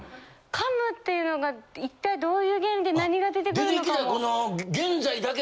かむっていうのが一体どういう原理何が出てくるのか。